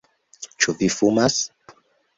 Ĉu vi fumas?